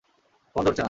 Phone ধরছে না।